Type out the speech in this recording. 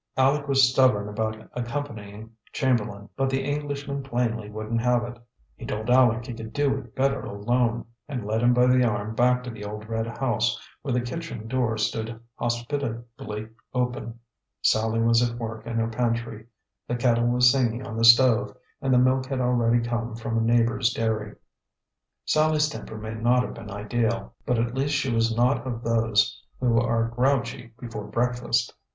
Aleck was stubborn about accompanying Chamberlain, but the Englishman plainly wouldn't have it. He told Aleck he could do it better alone, and led him by the arm back to the old red house, where the kitchen door stood hospitably open. Sallie was at work in her pantry. The kettle was singing on the stove, and the milk had already come from a neighbor's dairy. Sallie's temper may not have been ideal, but at least she was not of those who are grouchy before breakfast.